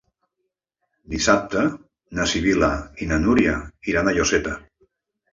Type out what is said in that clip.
Dissabte na Sibil·la i na Núria iran a Lloseta.